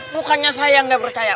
bukannya saya yang nggak percaya